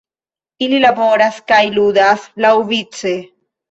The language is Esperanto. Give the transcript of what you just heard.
Ili laboras kaj ludas laŭvice.